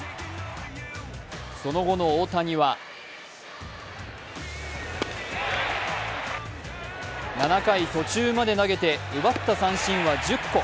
その後の大谷は７回途中まで投げて奪った三振は１０個。